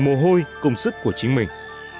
mồ hôi công sức của chính mình